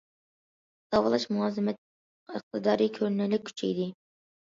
داۋالاش مۇلازىمەت ئىقتىدارى كۆرۈنەرلىك كۈچەيدى.